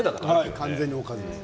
完全におかずです。